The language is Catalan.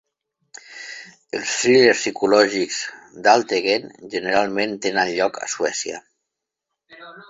Els thrillers psicològics d'Alvtegen generalment tenen lloc a Suècia.